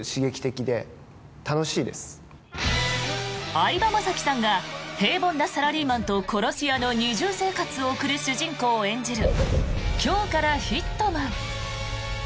相葉雅紀さんが平凡なサラリーマンと殺し屋の二重生活を送る主人公を演じる「今日からヒットマン」。